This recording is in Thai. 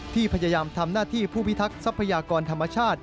พยายามทำหน้าที่ผู้พิทักษ์ทรัพยากรธรรมชาติ